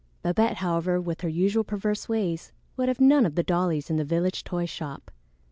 Babette, however, with her usual perverse ways, would have none of the dollies in the village toy shop.